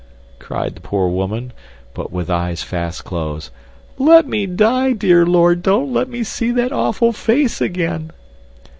cried the poor woman, but with eyes fast closed. "Let me die, dear Lord, don't let me see that awful face again."